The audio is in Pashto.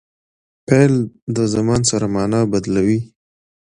فعل د زمان سره مانا بدلوي.